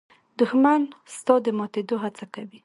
دښمن ستا د ماتېدو هڅه کوي